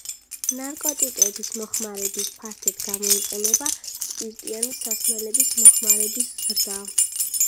ნარკოტიკების მოხმარების ფართედ გამოიყენება, სპირტიანი სასმელების მოხმარების ზრდა.